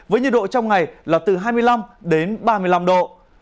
với nhiệt độ trong ngày là từ hai mươi năm đến ba mươi năm độ